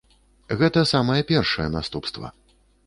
Гэта самае першае наступства.